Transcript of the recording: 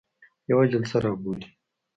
یوه جلسه را بولي.